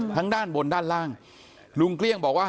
ด้านบนด้านล่างลุงเกลี้ยงบอกว่า